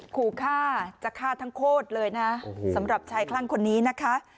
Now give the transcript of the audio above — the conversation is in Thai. ขู่ฆ่าจะฆ่าทั้งโคตรเลยนะสำหรับชายคลั่งคนนี้นะคะ